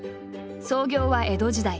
創業は江戸時代。